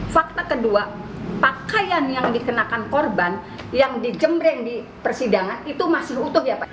fakta kedua pakaian yang dikenakan korban yang dijembreng di persidangan itu masih utuh ya pak